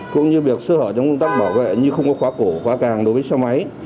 cũng như việc sơ hở trong công tác bảo vệ như không có khóa cổ khóa càng đối với xe máy